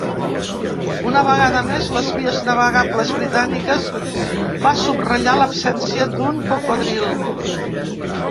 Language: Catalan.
Una vegada més, les vies navegables britàniques va subratllar l'absència d'un cocodril.